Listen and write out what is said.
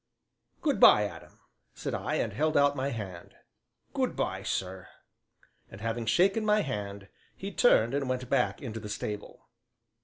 "Good by, Adam!" said I, and held out my hand. "Good by, sir." And, having shaken my hand, he turned and went back into the stable.